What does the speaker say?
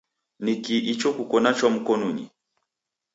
Nikii icho kuko nacho mkonunyi?